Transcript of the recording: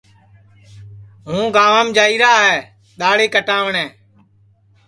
ہُوں گانٚوانٚم جائیرا ہے دہاڑی کٹاوٹؔیں